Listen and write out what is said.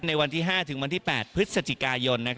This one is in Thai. ในวันที่๕ถึงวันที่๘พฤศจิกายน